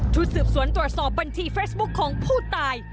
ทุศิษฐ์สวนตรวจสอบบัญชีเฟสบุ๊คของผู้ตาย